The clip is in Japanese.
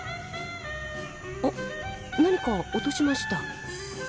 あ何か落としました。